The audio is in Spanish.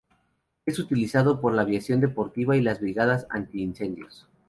Es utilizado por la aviación deportiva y las brigadas anti-incendios.